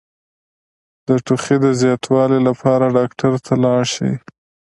د ټوخي د زیاتوالي لپاره ډاکټر ته لاړ شئ